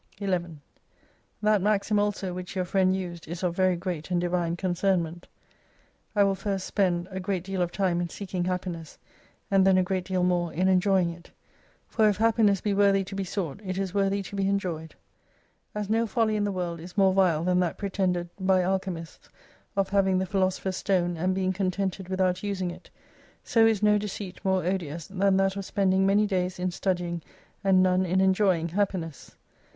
11 That maxim also which your friend used is of very great and Divine concernment ;/ will first spend a great 246 deal of time in seeking Happiness ^ and then a great deal more in enjoying it. For if Happiness be worthy to be sought, it is worthy to be enjoyed. As no folly in the world is more vile than that pretended by alchemists, of having the Philosopher's Stone and being contented without using it : so is no deceit more odious, than that of spending many days in studying, and none in enjoying, happiness.